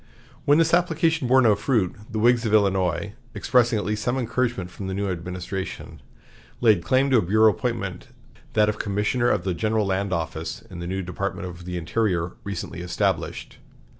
When this application bore no fruit, the Whigs of Illinois, expecting at least some encouragement from the new administration, laid claim to a bureau appointment, that of Commissioner of the General Land Office, in the new Department of the Interior, recently established.